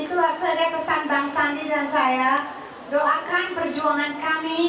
itulah seni pesan bang sandi dan saya doakan perjuangan kami